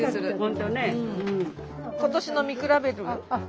今年の見比べる？